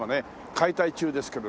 解体中ですけど。